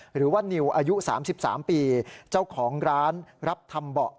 หรือว่านิวอายุ๓๓ปีเจ้าของร้านรับทำเบาะ